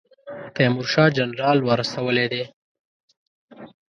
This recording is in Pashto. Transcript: تیمورشاه جنرال ور استولی دی.